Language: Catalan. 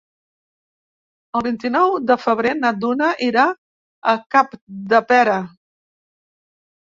El vint-i-nou de febrer na Duna irà a Capdepera.